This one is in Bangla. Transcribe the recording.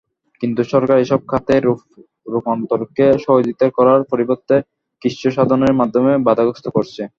কিন্তু সরকার এসব খাতে রূপান্তরকে সহযোগিতা করার পরিবর্তে কৃচ্ছ্রসাধনের মাধ্যমে বাধাগ্রস্ত করছে।